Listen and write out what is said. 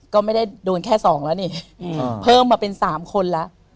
ก็ไม่ได้โดนแค่๒แล้วนี่เพิ่มมาเป็น๓คนแล้ว